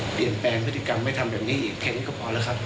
เปลี่ยนแปลงพฤติกรรมไม่ทำแบบนี้อีกแค่นี้ก็พอแล้วครับ